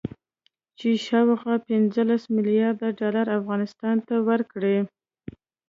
چې شاوخوا پنځلس مليارده ډالر افغانستان ته ورکړي